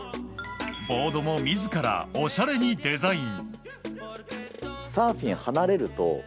ボードも自らおしゃれにデザイン。